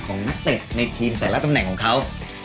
นักเตะในทีมแต่ละตำแหน่งของเขา